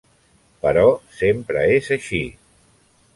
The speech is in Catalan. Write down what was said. Però sempre és així.